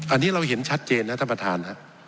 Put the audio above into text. อันนี้เราเห็นชัดเจนนะท่านประธาน